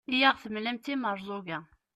i aɣ-temlam d timerẓuga